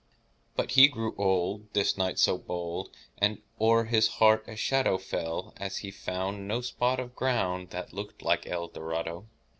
But he grew old— This knight so bold— And o'er his heart a shadow Fell, as he found No spot of ground That looked like Eldorado.